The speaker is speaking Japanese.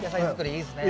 いいですね。